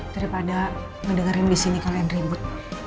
daripada ngedengerin di sini kalian ribut